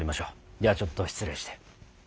ではちょっと失礼して。